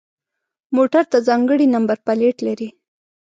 موټر د ځانگړي نمبر پلیت لري.